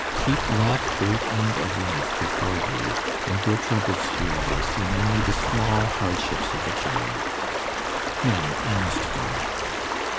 Keep that great end of life before you, and your troubles here will seem only the small hardships of a journey. Now I must go.